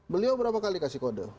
beliau berapa kali kasih kode